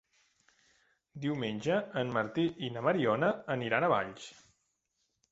Diumenge en Martí i na Mariona aniran a Valls.